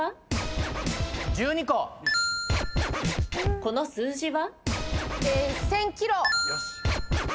この数字は？